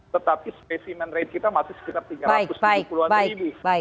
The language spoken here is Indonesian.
tetapi spesimen rate kita masih sekitar tiga ratus tujuh puluh an ribu